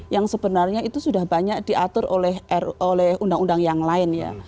yang sebenarnya itu sudah banyak diatur oleh undang undang yang lain ya